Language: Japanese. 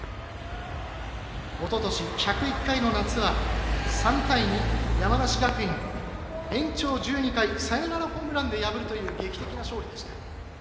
おととし１０１回の夏は３対２、山梨学院延長１２回サヨナラホームランで破るという劇的な勝利でした。